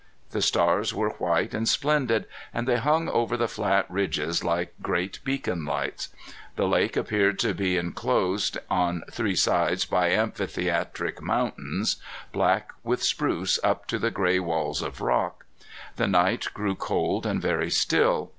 The stars were white and splendid, and they hung over the flat ridges like great beacon lights. The lake appeared to be inclosed on three sides by amphitheatric mountains, black with spruce up to the gray walls of rock. The night grew cold and very still.